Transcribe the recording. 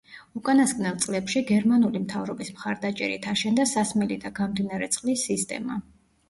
უკანასკნელ წლებში, გერმანული მთავრობის მხარდაჭერით აშენდა სასმელი და გამდინარე წყლის სისტემა.